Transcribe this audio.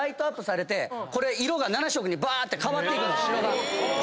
これ色が７色にばーって変わっていく城が。